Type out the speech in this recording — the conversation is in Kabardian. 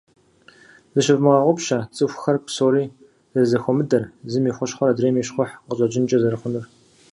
Зыщывмыгъэгъупщэ цӏыхухэр псори зэрызэхуэмыдэр, зым и хущхъуэр адрейм и щхъухьу къыщӏэкӏынкӏэ зэрыхъунур.